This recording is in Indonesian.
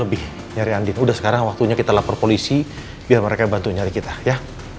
lebih nyari andin udah sekarang waktunya kita lapor polisi biar mereka bantu nyari kita ya